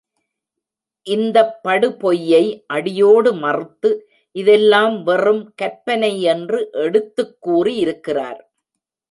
இந்தப் படுபொய்யை அடியோடு மறுத்து, இதெல்லாம் வெறும் கற்பனை என்று எடுத்துக்கூறி இருக்கிறார்.